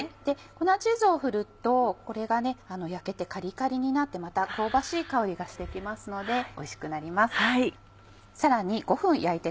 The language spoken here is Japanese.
粉チーズを振るとこれが焼けてカリカリになってまた香ばしい香りがして来ますのでおいしくなります。